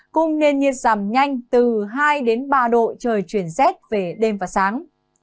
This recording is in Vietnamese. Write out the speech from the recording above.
cùng nền nhiệt giảm nhanh từ hai đến ba độ trời chuyển rét về đêm và sáng